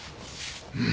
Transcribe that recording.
うん。